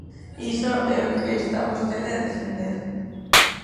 Iso é o que está vostede a defender.